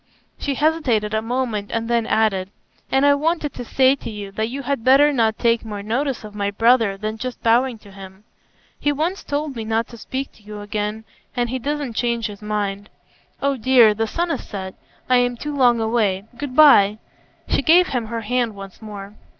She hesitated a moment, and then added, "And I wanted to say to you, that you had better not take more notice of my brother than just bowing to him. He once told me not to speak to you again, and he doesn't change his mind—Oh dear, the sun is set. I am too long away. Good by." She gave him her hand once more.